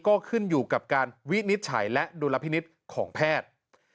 ก็ขึ้นอยู่กับการวินิจฉัยและดุลพินิษฐ์ของแพทย์